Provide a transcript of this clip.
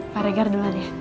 pak regar duluan ya